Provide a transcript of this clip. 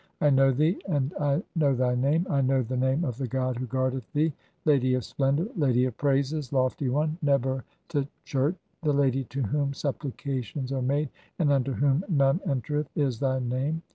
I know thee, and I know "thy name, I know the name of the god who (18) guardeth "thee. 'Lady of splendour, lady of praises, lofty one, Neb er "tchert, the lady to whom supplications are made and unto whom "none entereth ' is thy name.